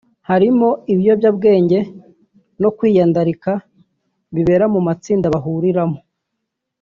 harimo ibiyobyabwenge no kwiyandarika bibera mu matsinda bahuriramo